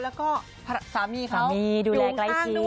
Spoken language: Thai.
แล้วก็สามีเขายุ่งข้างด้วย